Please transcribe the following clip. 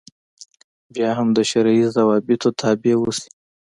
بیا هم د شرعي ضوابطو تابع اوسي.